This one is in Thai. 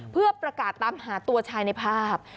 เพื่อประกาศตามหาตัวชายในภาพ